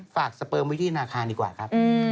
สเปิมไว้ที่ธนาคารดีกว่าครับ